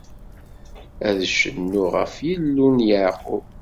Ad cennuɣ ɣef Yillu n Yeɛqub.